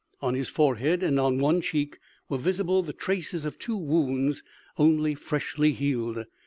On his forehead and on one cheek were visible the traces of two wounds only freshly healed.